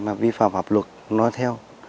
mà vi phạm hợp luật nói theo